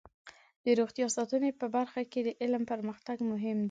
د روغتیا ساتنې په برخه کې د علم پرمختګ مهم دی.